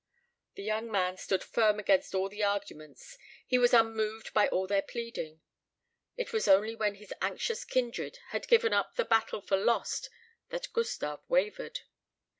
The young man stood firm against all their arguments, he was unmoved by all their pleading. It was only when his anxious kindred had given up the battle for lost that Gustave wavered.